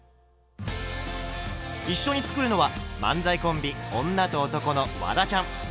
一緒に作るのは漫才コンビ「女と男」のワダちゃん。